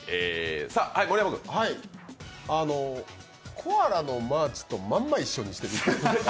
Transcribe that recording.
コアラのマーチとまんま一緒にしてる。